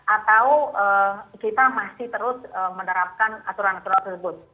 atau kita masih terus menerapkan aturan aturan tersebut